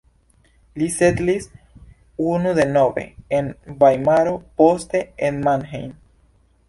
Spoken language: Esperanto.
Li setlis unu denove en Vajmaro, poste en Mannheim.